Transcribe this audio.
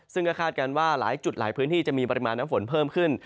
ซึ่งก็คาดการณ์ว่าหลายจุดหลายพื้นที่จะมีปริมาณน้ำฝนเพิ่มขึ้น